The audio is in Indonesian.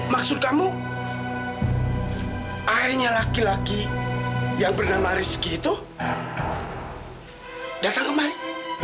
maksud kamu ayahnya laki laki yang bernama rizky itu datang kembali